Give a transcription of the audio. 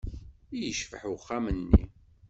I yecbeḥ uxxam-nni!